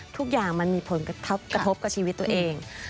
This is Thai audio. ทุกอย่างมันมีผลกระทบกับชีวิตตัวเอง